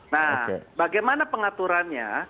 nah bagaimana pengaturannya